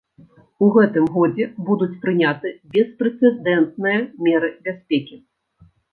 У гэтым годзе будуць прыняты беспрэцэдэнтныя меры бяспекі.